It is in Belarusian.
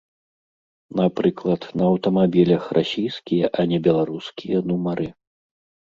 Напрыклад, на аўтамабілях расійскія, а не беларускія нумары.